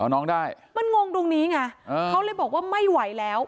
น้องได้มันงงตรงนี้ไงเขาเลยบอกว่าไม่ไหวแล้ว